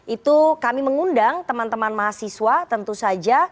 itu kami mengundang teman teman mahasiswa tentu saja